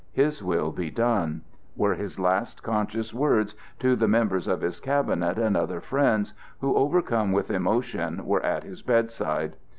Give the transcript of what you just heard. His will be done!" were his last conscious words to the members of his cabinet and other friends who, overcome with emotion, were at his bedside.